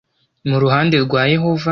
Mu ruhande rwa Yehova